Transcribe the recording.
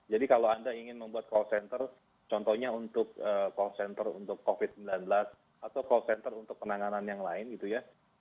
jadi kalau anda ingin membuat call center contohnya untuk call center untuk covid sembilan belas atau call center untuk penanganan yang lain gitu ya